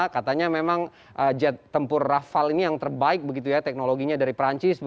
katanya memang jet tempur rafale ini yang terbaik teknologinya dari perancis